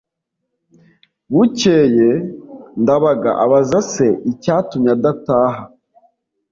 Bukeye Ndabaga abaza se icyatumye adataha,